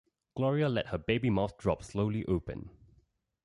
Gloria let her baby mouth drop slowly open.